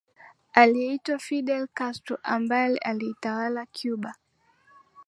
aliyeitwa Fidel Castro ambaye aliitawala Cuba